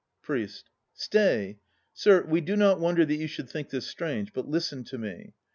PRIEST. Stay! Sir, we do not wonder that you should think this strange. But listen to me.